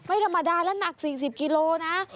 ไม่ธรรมดาแล้วหนัก๔๐กิโลนะ